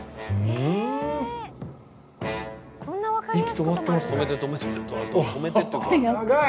息止まってますね長い！